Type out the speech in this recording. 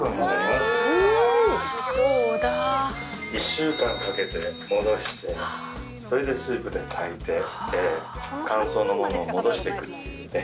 １週間かけて戻してそれでスープで炊いて乾燥のものを戻してくるというね。